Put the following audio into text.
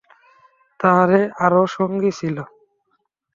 তাঁহার আরো সঙ্গী ছিল।